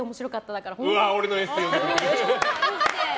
俺のエッセー読んでくれてる。